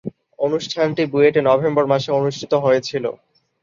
অনুষ্ঠানটি বুয়েটে নভেম্বর মাসে অনুষ্ঠিত হয়েছিলো।